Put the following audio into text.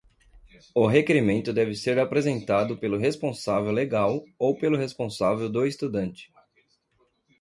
O requerimento deve ser apresentado pelo responsável legal ou pelo responsável do estudante.